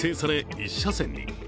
１車線に。